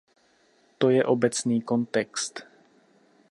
To je obecný kontext.